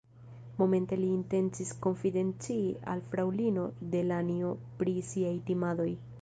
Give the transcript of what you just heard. Momente li intencis konfidencii al fraŭlino Delanjo pri siaj timadoj.